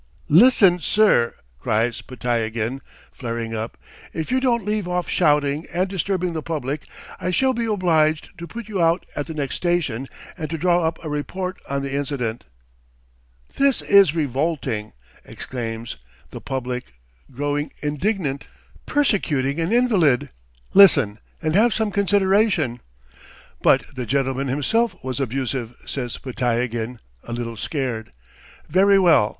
"Listen, sir!" cries Podtyagin, flaring up. "If you don't leave off shouting and disturbing the public, I shall be obliged to put you out at the next station and to draw up a report on the incident!" "This is revolting!" exclaims "the public," growing indignant. "Persecuting an invalid! Listen, and have some consideration!" "But the gentleman himself was abusive!" says Podtyagin, a little scared. "Very well.